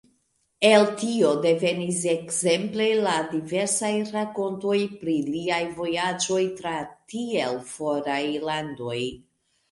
El tio devenis, ekzemple, la diversaj rakontoj pri liaj vojaĝoj tra tiel foraj landoj.